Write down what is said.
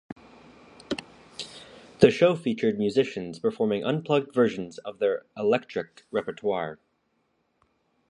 The show featured musicians performing unplugged versions of their electric repertoire.